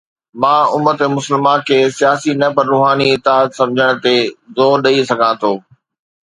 مان امت مسلمه کي سياسي نه پر روحاني اتحاد سمجهڻ تي زور ڏئي سگهان ٿو.